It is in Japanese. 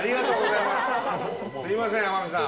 すみません天海さん。